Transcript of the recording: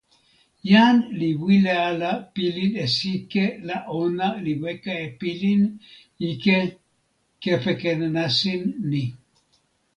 jan li wile ala pilin e sike la ona li weka e pilin ike kepeken nasin ni.